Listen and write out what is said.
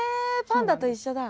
パンダと一緒だ。